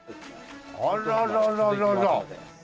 あららららら！